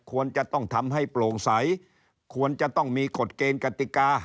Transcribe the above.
ควรจะต้องทำให้โปร่งใสควรจะต้องมีกฎเกณฑ์กติกา